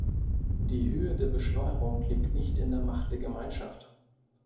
Die Höhe der Besteuerung liegt nicht in der Macht der Gemeinschaft.